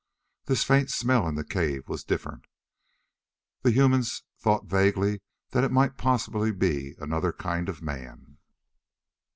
This faint smell in the cave was different. The humans thought vaguely that it might possibly be another kind of man.